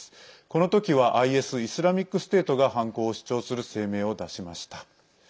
この時はＩＳ＝イスラミックステートが犯行を主張する声明を出しました。